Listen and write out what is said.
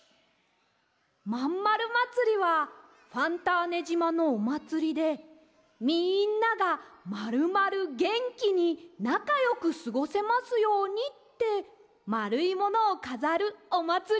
まんまるまつりはファンターネじまのおまつりでみんながまるまるげんきになかよくすごせますようにってまるいものをかざるおまつりなんです。